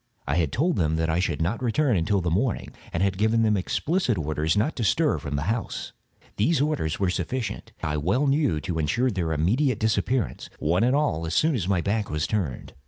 I had told them that I should not return until the morning, and had given them explicit orders not to stir from the house. These orders were sufficient, I well knew, to insure their immediate disappearance, one and all, as soon as my back was turned.